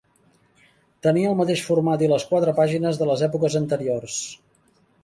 Tenia el mateix format i les quatre pàgines de les èpoques anteriors.